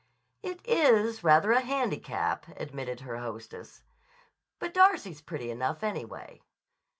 "It is rather a handicap," admitted her hostess. "But Darcy's pretty enough, anyway."